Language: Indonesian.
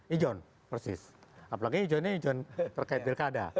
ijon persis apalagi ijonnya ijon terkait pilkada